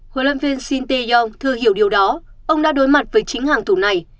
hội lâm viên shin tae yong thưa hiểu điều đó ông đã đối mặt với chính hàng thủ này